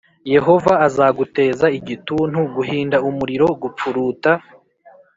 Yehova azaguteza igituntu, guhinda umuriro, gupfuruta,